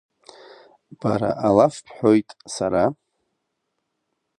Бара алаф бҳәоит, сара…